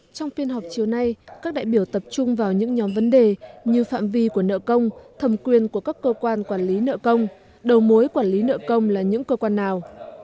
trong phiên họp chiều nay các đại biểu tập trung vào những nhóm vấn đề như phạm vi của nợ công thẩm quyền của các cơ quan quản lý nợ công đầu mối quản lý nợ công là những cơ quan nào